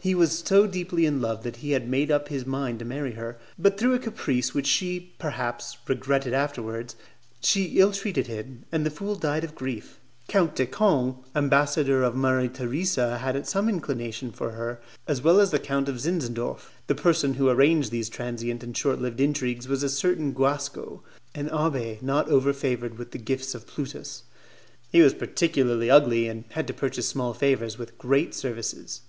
He was so deeply in love that he had made up his mind to marry her; but through a caprice which she, perhaps, regretted afterwards, she ill treated him, and the fool died of grief. Count de Canes. ambassador of Maria Theresa, had some inclination for her, as well as the Count of Zinzendorf. The person who arranged these transient and short lived intrigues was a certain Guasco, an abbé not over favoured with the gifts of Plutus. He was particularly ugly, and had to purchase small favours with great services.